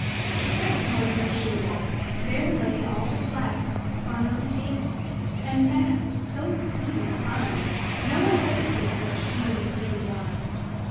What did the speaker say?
Next morning when she awoke, there lay all the flax spun on the table, and that so clean and fine, no one had ever seen such even and pretty yarn.